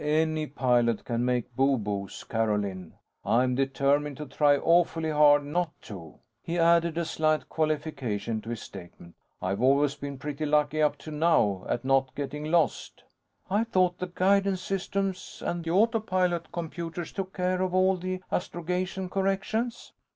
"Any pilot can make boo boos, Carolyn. I'm determined to try awfully hard not to." He added a slight qualification to his statement. "I've always been pretty lucky up to now, at not getting lost." "I thought the guidance systems and the autopilot computers took care of all the astrogation corrections?"